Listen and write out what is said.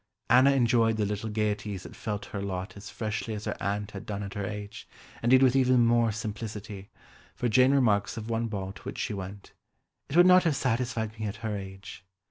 Anna enjoyed the little gaieties that fell to her lot as freshly as her aunt had done at her age, indeed with even more simplicity, for Jane remarks of one ball to which she went "it would not have satisfied me at her age."